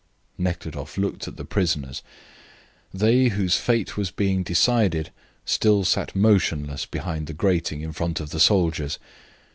Nekhludoff looked at the prisoners. They whose fate was being decided still sat motionless behind the grating in front of the soldiers.